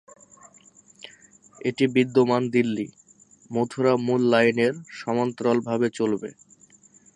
এটি বিদ্যমান দিল্লি-মথুরা মূল লাইনের সমান্তরালভাবে চলবে।